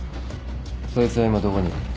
そいつは今どこにいる？